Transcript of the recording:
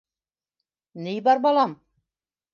— Ни бар, балам?